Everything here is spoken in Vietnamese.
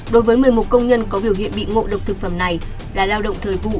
đối với một mươi một công nhân có biểu hiện bị ngộ độc thực phẩm này là lao động thời vụ